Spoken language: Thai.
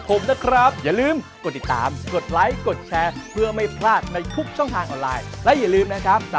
ต้องให้คะแนนคนที่เขามีลีลาด้วย